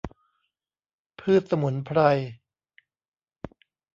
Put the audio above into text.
พืชสมุนไพร